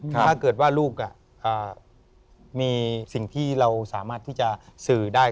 ถ้าเกิดว่าลูกมีสิ่งที่เราสามารถที่จะสื่อได้